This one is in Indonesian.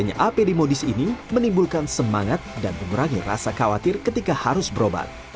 ada apd modis ini menimbulkan semangat dan mengurangi rasa khawatir ketika harus berobat